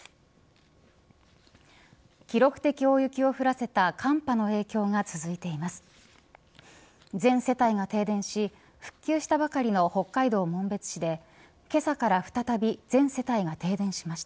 記録的大雪を降らせた寒波の影響が続いています。